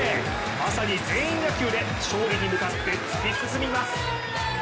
まさに全員野球で勝利に向かって突き進みます。